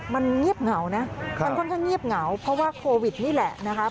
มันเงียบเหงานะมันค่อนข้างเงียบเหงาเพราะว่าโควิดนี่แหละนะคะ